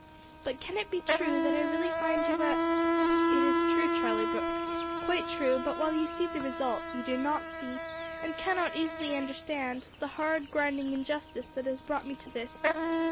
"But can it be true, that I really find you a " "It is true, Charlie Brooke; quite true but while you see the result, you do not see, and cannot easily understand, the hard grinding injustice that has brought me to this.